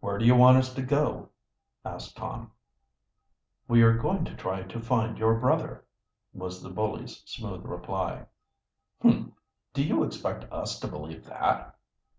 "Where do you want us to go?" asked Tom. "We are going to try to find your brother," was the bully's smooth reply. "Humph! Do you expect us to believe that?"